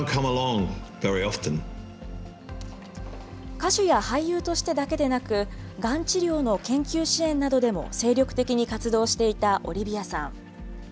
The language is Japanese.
歌手や俳優としてだけでなく、がん治療の研究支援などでも精力的に活動していたオリビアさん。